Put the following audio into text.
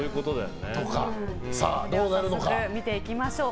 早速見ていきましょう。